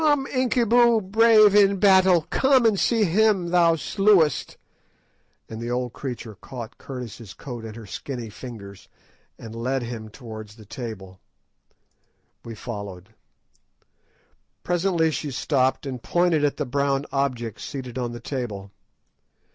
_" "Come, Incubu, brave in battle, come and see him thou slewest;" and the old creature caught Curtis' coat in her skinny fingers, and led him away towards the table. We followed. Presently she stopped and pointed at the brown object seated on the table.